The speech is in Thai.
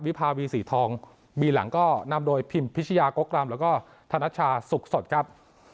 วิภาวีสีทองบีหลังก็นำโดยพิมพิชยากกรำแล้วก็ธนชาสุขสดครับ